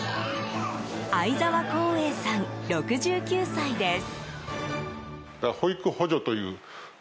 相澤肯英さん、６９歳です。